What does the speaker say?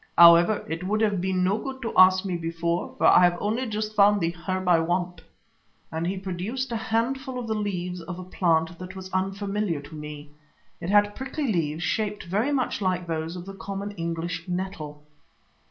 However, it would have been no good to ask me before, for I have only just found the herb I want," and he produced a handful of the leaves of a plant that was unfamiliar to me. It had prickly leaves, shaped very much like those of the common English nettle.